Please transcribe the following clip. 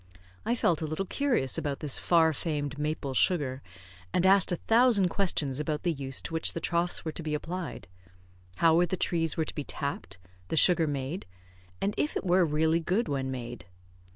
I felt a little curious about this far famed maple sugar, and asked a thousand questions about the use to which the troughs were to be applied; how the trees were to be tapped, the sugar made, and if it were really good when made?